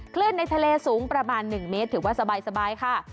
ในทะเลสูงประมาณ๑เมตรถือว่าสบายค่ะ